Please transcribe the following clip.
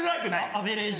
アベレージ。